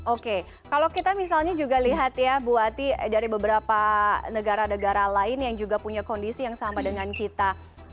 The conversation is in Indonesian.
oke kalau kita misalnya juga lihat ya bu ati dari beberapa negara negara lain yang juga punya kondisi yang sama dengan kita